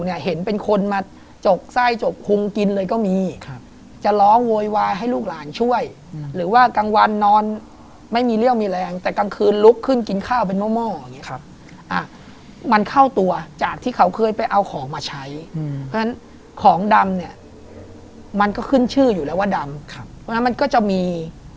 อันนั้นก็จะต้องเส้นด้วยเครื่องในไก่สดก็มีเลือดไก่